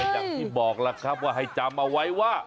อย่างที่บอกล่ะครับว่าให้จำเอาไว้ว่า